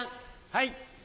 はい。